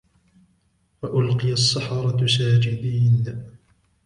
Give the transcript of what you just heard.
وَأُلْقِيَ السَّحَرَةُ سَاجِدِينَ